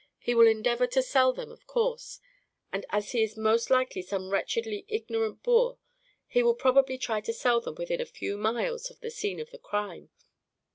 He will endeavour to sell them, of course; and as he is most likely some wretchedly ignorant boor, he will very probably try to sell them within a few miles of the scene of the crime."